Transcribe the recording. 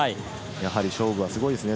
やはり勝負はすごいですね。